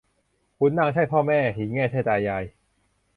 ขุนนางใช่พ่อแม่ หินแง่ใช่ตายาย